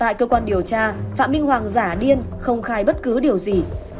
tại cơ quan điều tra phạm minh hoàng giả điên không khai bất cứ điều gì